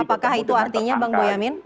apakah itu artinya bang boya mir